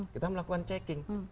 kita melakukan checking